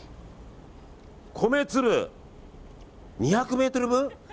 米粒２００ｍ分？